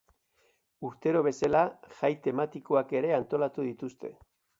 Urtero bezala, jai tematikoak ere antolatu dituzte.